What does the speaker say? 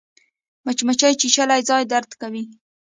مچمچۍ چیچلی ځای درد کوي